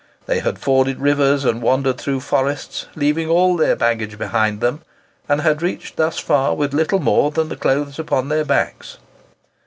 They had forded rivers and wandered through forests, leaving all their baggage behind them, and had reached thus far with little more than the clothes upon their backs.